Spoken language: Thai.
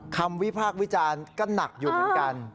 คำวิภาควิจารณ์ก็หนักอยู่เหมือนกัน